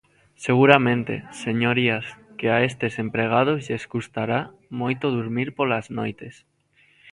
Seguramente, señorías, que a estes empregados lles custará moito durmir polas noites.